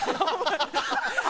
ハハハハ！